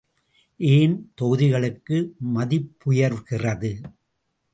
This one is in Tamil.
ஏன் தொகுதிகளுக்கு மதிப்புயர்கிறது?